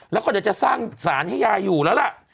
แล้วก็เดี๋ยวจะสร้างสารให้ยายอยู่แล้วล่ะ